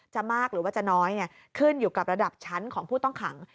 มากหรือว่าจะน้อยขึ้นอยู่กับระดับชั้นของผู้ต้องขัง